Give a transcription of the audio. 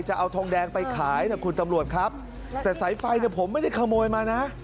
จะเอาทองแดงไปขายนะคุณตำรวจครับแต่สายไฟเนี่ยผมไม่ได้ขโมยมานะ